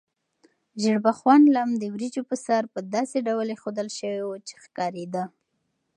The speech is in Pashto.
ژیړبخون لم د وریجو په سر په داسې ډول ایښودل شوی و چې ښکارېده.